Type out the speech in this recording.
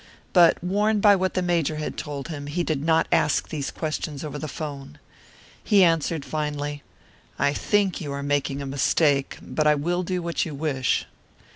But warned by what the Major had told him, he did not ask these questions over the 'phone. He answered, finally, "I think you are making a mistake, but I will do what you wish."